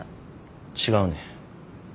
違うねん。